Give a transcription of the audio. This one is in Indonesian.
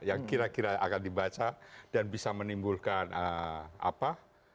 yang kira kira akan dibaca dan bisa menimbulkan apa